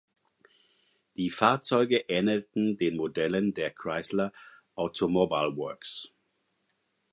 Die Fahrzeuge ähnelten den Modellen der Chrysler Automobile Works.